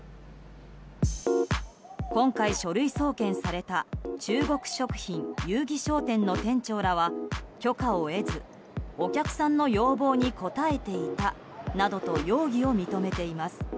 今回、書類送検された中国食品友誼商店の店長らは許可を得ず、お客さんの要望に応えていたなどと容疑を認めています。